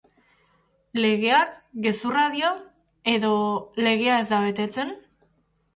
Legeak gezurra dio edo legea ez da betetzen?